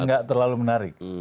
nggak terlalu menarik